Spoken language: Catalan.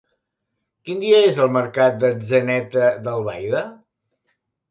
Quin dia és el mercat d'Atzeneta d'Albaida?